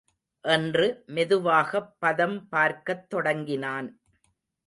என்று மெதுவாகப் பதம் பார்க்கத் தொடங்கினான்.